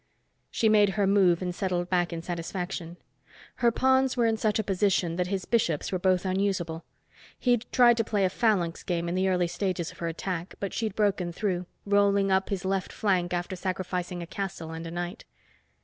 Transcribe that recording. She made her move and settled back in satisfaction. Her pawns were in such position that his bishops were both unusable. He'd tried to play a phalanx game in the early stages of her attack, but she'd broken through, rolling up his left flank after sacrificing a castle and a knight.